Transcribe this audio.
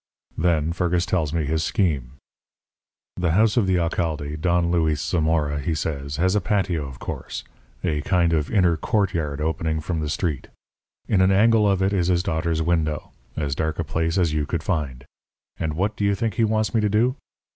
"Then Fergus tells me his scheme. "The house of the alcalde, Don Luis Zamora, he says, has a patio, of course a kind of inner courtyard opening from the street. In an angle of it is his daughter's window as dark a place as you could find. And what do you think he wants me to do?